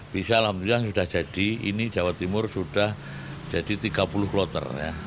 bisa alhamdulillah sudah jadi ini jawa timur sudah jadi tiga puluh kloter